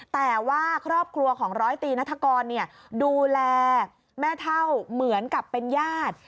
แต่ว่าครอบครัวของร้อยตีนัฐกรดูแลแม่เท่าเหมือนกับเป็นญาติ